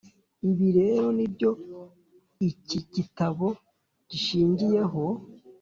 Ibi rero ni byo iki gitabo gishingiye ho